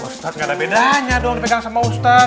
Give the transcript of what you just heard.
ustadz gak ada bedanya dong dipegang sama ustadz